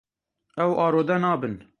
Ew arode nabin.